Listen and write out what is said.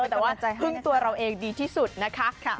แต่ว่าพึ่งตัวเราเองดีที่สุดนะคะ